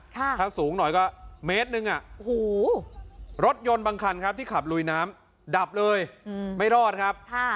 ถ้าสูงหน่อยก็เมตรหนึ่งรถยนต์บางคันครับที่ขับลุยน้ำดับเลยไม่รอดครับ